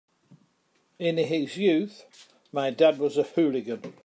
In his youth my dad was a hooligan.